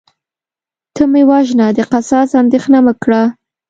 ته مې وژنه د قصاص اندیښنه مه کړه